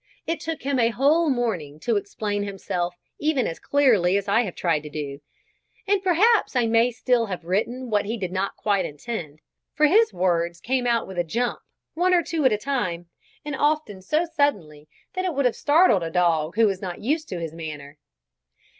It took him a whole morning to explain himself even as clearly as I have tried to do; and perhaps I may still have written what he did not quite intend, for his words came out with a jump, one or two at a time, and often so suddenly that it would have startled a dog who was not used to his manner.